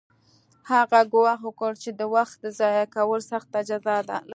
هغه ګواښ وکړ چې د وخت ضایع کول سخته جزا لري